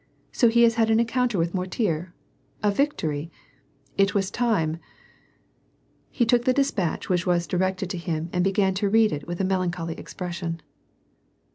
So he's had an encounter with Mortier ? A victory ? It was time !" He took the despatch which was directed to him and began to read it with a melancholy expression.